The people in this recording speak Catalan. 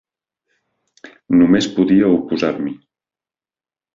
Només podia oposar-m'hi.